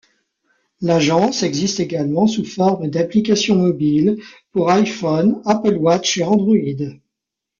L’agence existe également sous forme d’applications mobiles pour iPhone, Apple Watch et Android.